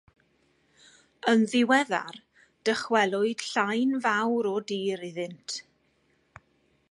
Yn ddiweddar, dychwelwyd llain fawr o dir iddynt.